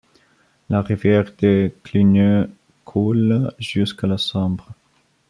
La rivière des Cligneux coule jusqu'à la Sambre.